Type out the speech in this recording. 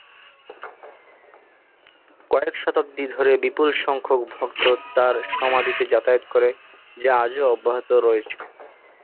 কয়েক শতাব্দী ধরে বিপুল সংখ্যক ভক্ত তাঁর সমাধিতে যাতায়াত করে যা আজও অব্যাহত রয়েছে।